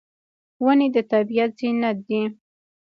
ونې د طبیعت زینت دي.